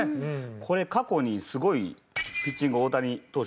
これ過去にすごいピッチング大谷投手